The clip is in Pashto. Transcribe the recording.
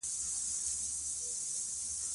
افغانستان کې د واورې لپاره دپرمختیا پروګرامونه شته دي.